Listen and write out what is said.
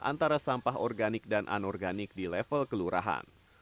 antara sampah organik dan anorganik di level kelurahan